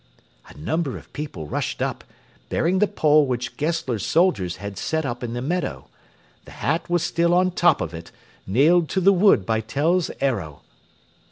A number of people rushed up, bearing the pole which Gessler's soldiers had set up in the meadow. The hat was still on top of it, nailed to the wood by Tell's arrow.